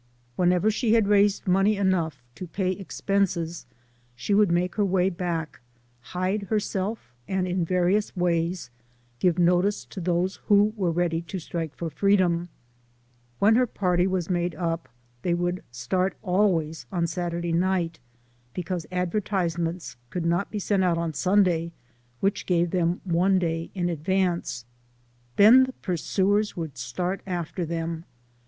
Whenever she had raised money enough to pay expenses, she would make her way back, hide her self, and in .various ways give notice to those who were ready to strike for freedom. When her LIFE OF HAKKIET TUJJMAS. 21 party was made up, they would start always on Saturday night, because advertisements could not be sent out on Sunday, which gave them one day in advance. Then the pursuers would start after them.